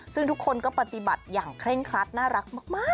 ซึ่งทุกคนก็ปฏิบัติอย่างเคร่งครัดน่ารักมาก